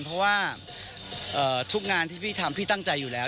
เพราะว่าทุกงานที่พี่ทำพี่ตั้งใจอยู่แล้ว